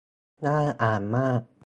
น่าอ่านมาก